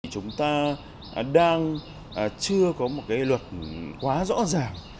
chúng ta đang chưa có một luật quá rõ ràng